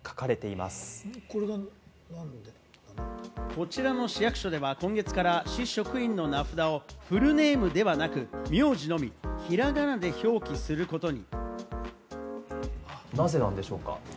こちらの市役所では今月から市職員の名札をフルネームではなく名字のみ、ひらがなで表記することに。